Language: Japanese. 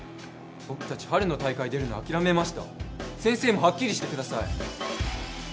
僕達春の大会出るの諦めました先生もハッキリしてください